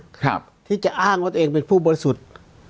ครับที่จะอ้างว่าตัวเองเป็นผู้บริสุทธิ์